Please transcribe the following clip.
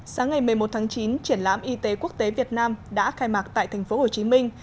sáng ngày một mươi một tháng chín triển lãm y tế quốc tế việt nam đã khai mạc tại thành phố hồ chí minh